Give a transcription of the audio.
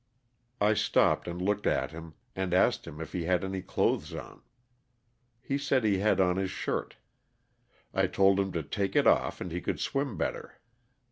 '' I stopped and looked at him and asked him if he had any clothes on. He said he had on his shirt. I told him to take it off and he could swim better.